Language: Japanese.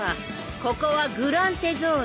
ここはグラン・テゾーロ。